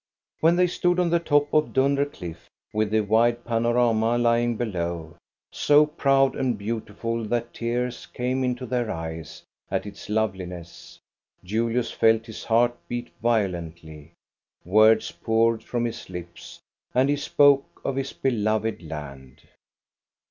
When they stood on the top of Dunder Cliff, with the wide panorama lying below, so proud and beautiful that tears came into their eyes at its loveliness, Julius felt his heart beat violently; words poured from his lips, and he spoke of his beloved land.